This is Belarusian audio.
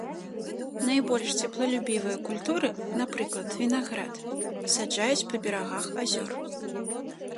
Найбольш цеплалюбівыя культуры, напрыклад вінаград, саджаюць па берагах азёр.